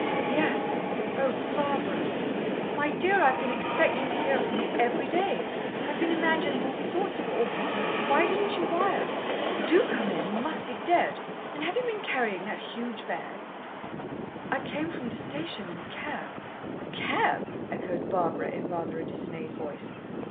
"Yes. Oh, Barbara!" "My dear I've been expecting to hear from you every day! I've been imagining all sorts of awful things. Why didn't you wire? Do come in you must be dead, and have you been carrying that huge bag?" "I came from the station in a cab." "A cab!" echoed Barbara in rather a dismayed voice.